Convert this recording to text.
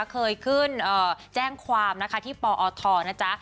เคยขึ้นแจ้งความนะคะที่ปอทนะจ๊ะ